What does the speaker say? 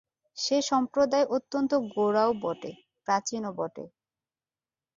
সে সম্প্রদায় অত্যন্ত গোঁড়াও বটে, প্রাচীনও বটে।